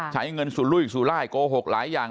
ใช้เงินสุลุยสุรายโกหกหลายอย่าง